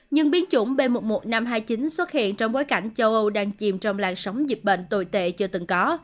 nhưng biến chủng b một mươi một nghìn năm trăm hai mươi chín xuất hiện trong bối cảnh châu âu đang chìm trong làn sóng dịch bệnh tồi tệ chưa từng có